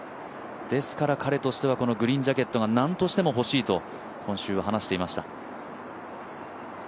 ですから彼としてはグリーンジャケットがなんとしても欲しいと今週、話していました。